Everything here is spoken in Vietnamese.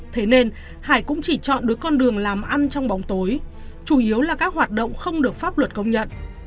thế nên hải cũng chỉ chọn đứa con đường làm ăn trong bóng tối chủ yếu là các hoạt động không được pháp luật công nhận